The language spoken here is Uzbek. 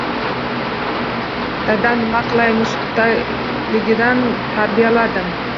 Dada nima qilay mushtdayligidan tarbiyaladim.